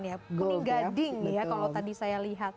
kening gading ya kalau tadi saya lihat